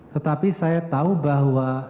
tetapi saya tahu bahwa